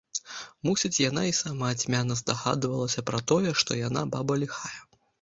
Мусіць, яна і сама цьмяна здагадвалася пра тое, што яна баба ліхая.